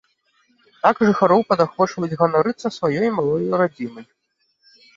Так жыхароў падахвочваюць ганарыцца сваёй малой радзімай.